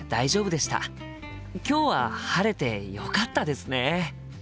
今日は晴れてよかったですね！